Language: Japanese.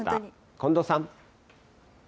近藤さん。